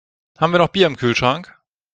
Haben wir noch Bier im Kühlschrank?